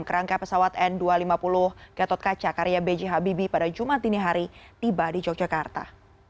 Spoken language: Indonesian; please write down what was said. kerangka pesawat n dua ratus lima puluh gatot kaca karya b j habibie pada jumat dini hari tiba di yogyakarta